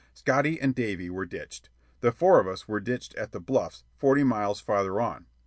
Scotty and Davy were ditched. The four of us were ditched at the Bluffs, forty miles farther on.